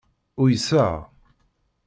Uyseɣ.